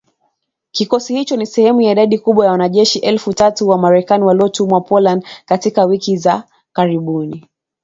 Kikosi hicho ni sehemu ya idadi kubwa ya wanajeshi elfu tatu wa Marekani waliotumwa Poland katika wiki za karibuni.